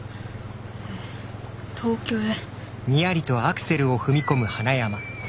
東京へ。